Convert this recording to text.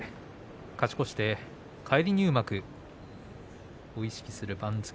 勝ち越して返り入幕を意識する番付。